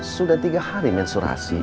sudah tiga hari mensurasi